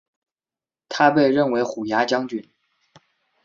他被任为虎牙将军。